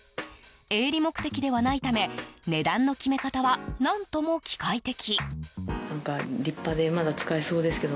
営利目的ではないため値段の決め方は何とも機械的。